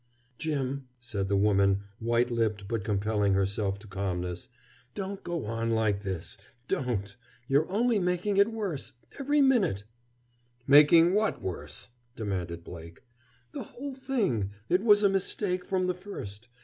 "Jim," said the woman, white lipped but compelling herself to calmness, "don't go on like this! Don't! You're only making it worse, every minute!" "Making what worse?" demanded Blake. "The whole thing. It was a mistake, from the first.